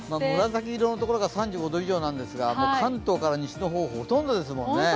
紫色のところが３５度以上なんですが関東から西の方、ほとんどですもんね。